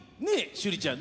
趣里ちゃん。